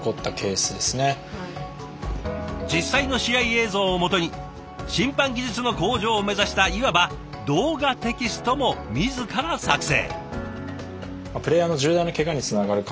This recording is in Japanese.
実際の試合映像をもとに審判技術の向上を目指したいわば「動画テキスト」も自ら作成。